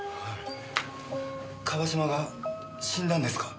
川島が死んだんですか？